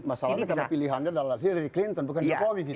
masalahnya karena pilihannya adalah hilly clinton bukan jokowi gitu